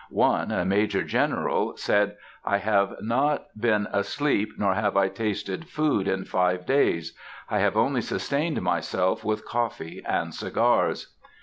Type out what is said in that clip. One, a Major General, said, "I have not been asleep, nor have I tasted food, in five days. I have only sustained myself with coffee and cigars."